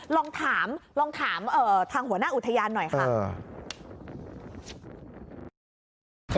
ลองถามลองถามทางหัวหน้าอุทยานหน่อยค่ะ